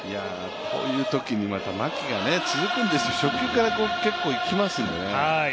こういうときにまた牧が続くんですよ、初球から結構いきますんでね。